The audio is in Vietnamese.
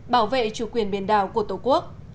bảo vệ chủ quyền biển đảo của tổ quốc